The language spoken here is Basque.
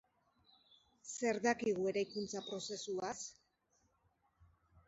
Zer dakigu eraikuntza prozesuaz?